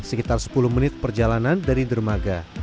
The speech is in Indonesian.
sekitar sepuluh menit perjalanan dari dermaga